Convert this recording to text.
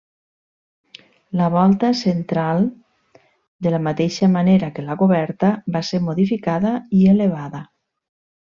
La volta central, de la mateixa manera que la coberta, va ser modificada i elevada.